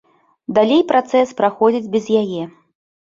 Далей працэс праходзіць без яе.